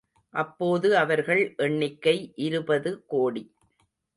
அப்போது அவர்கள் எண்ணிக்கை இருபது கோடி.